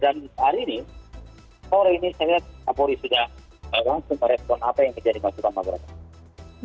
dan hari ini sore ini saya lihat kapolri sudah langsung berrespon apa yang terjadi masukan masukan